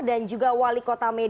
dan juga wali kota medan